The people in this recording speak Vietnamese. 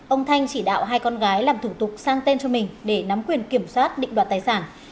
ông thanh chỉ đạo hai con gái làm thủ tục sang tên cho mình để nắm quyền kiểm soát định đoạt tài sản